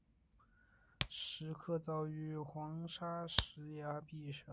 石刻凿于黄砂石崖壁上。